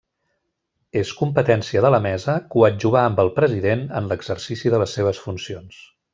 És competència de la mesa coadjuvar amb el President en l'exercici de les seves funcions.